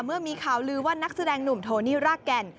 เมื่อมีข่าวลือว่านักแสดงหนุ่มโทนี่รากแก่น